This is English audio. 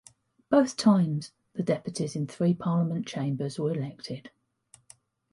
Both times the deputies in three parliament chambers were elected.